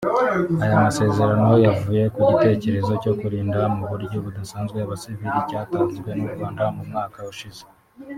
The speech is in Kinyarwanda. Aya masezerano yavuye ku gitekerezo cyo kurinda mu buryo budasanzwe Abasivili cyatanzwe n’u Rwanda mu mwaka ushize